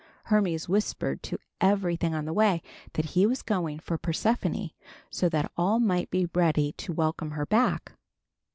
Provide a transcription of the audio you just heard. Hermes whispered to everything on the way that he was going for Persephone so that all might be ready to welcome her back.